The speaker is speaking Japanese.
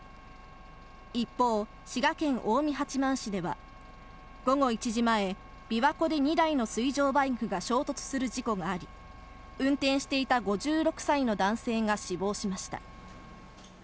一方、滋賀県近江八幡市では、午後１時前、琵琶湖で２台の水上バイクが衝突する事故があり、運転していた５６歳の男性が死亡しました。